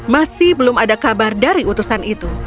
masih belum ada kabar dari utusan itu